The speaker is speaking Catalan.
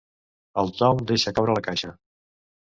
El Tom deixa caure la caixa.